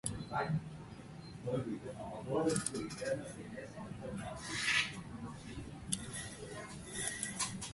The Board generally meets once a month.